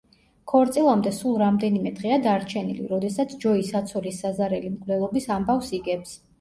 ქორწილამდე სულ რამდენიმე დღეა დარჩენილი, როდესაც ჯოი საცოლის საზარელი მკვლელობის ამბავს იგებს.